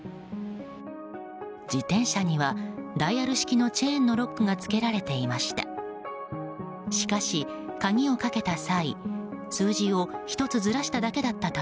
自転車にはダイヤル式のチェーンのロックがつけられていました。